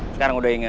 sekarang udah inget